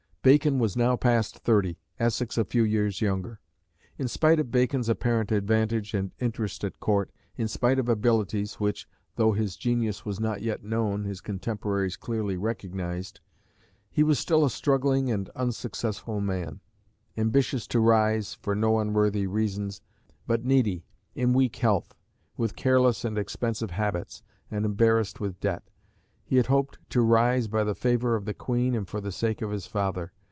Bacon was now past thirty, Essex a few years younger. In spite of Bacon's apparent advantage and interest at Court, in spite of abilities, which, though his genius was not yet known, his contemporaries clearly recognised, he was still a struggling and unsuccessful man: ambitious to rise, for no unworthy reasons, but needy, in weak health, with careless and expensive habits, and embarrassed with debt. He had hoped to rise by the favour of the Queen and for the sake of his father.